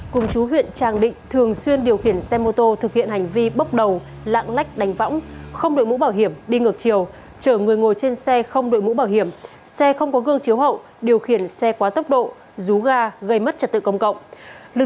cùng chú huyện trang định thường xuyên điều khiển xe mô tô thực hiện hành vi bốc đầu lạng lách đánh võng không đội mũ bảo hiểm đi ngược chiều chở người ngồi trên xe không đội mũ bảo hiểm xe không có gương chiếu hậu điều khiển xe quá tốc độ rú ga gây mất trật tự công cộng